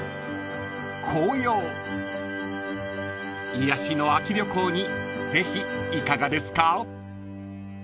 ［癒やしの秋旅行にぜひいかがですか？］